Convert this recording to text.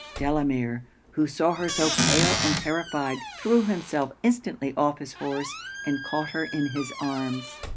Delamere, who saw her so pale and terrified, threw himself instantly off his horse and caught her in his arms.